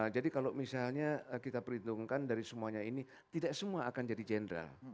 jadi kalau misalnya kita perhitungkan dari semuanya ini tidak semua akan jadi jenderal